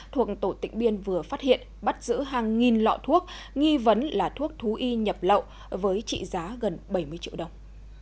thuộc tổ tỉnh biên vừa phát hiện bắt giữ hàng nghìn lọ thuốc nghi vấn là thuốc thú y nhập lậu với trị giá gần bảy mươi triệu đồng